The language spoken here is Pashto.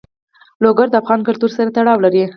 لوگر د افغان کلتور سره تړاو لري.